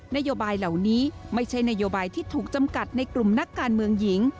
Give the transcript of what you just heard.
นโยบายเหล่านี้ไม่ใช่นโยบายที่ถูกจำกัดในกลุ่มนักการเมืองหญิง